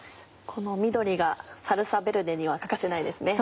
この緑がサルサヴェルデには欠かせないですね。